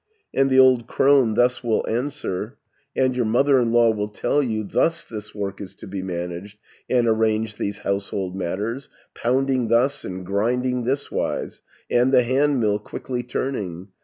"And the old crone thus will answer, And your mother in law will tell you: 'Thus this work is to be managed, And arranged these household matters, Pounding thus, and grinding thiswise, And the handmill quickly turning.